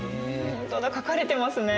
ほんとだ書かれてますね。